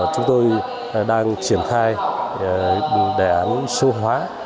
chúng tôi đang triển khai đề án sâu hóa